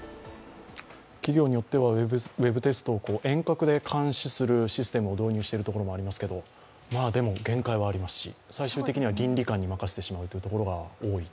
企業によってはウェブテストを遠隔で監視するシステムを導入しているところもありますし、限界はありますし、最終的には倫理観に任せてしまうところが多い。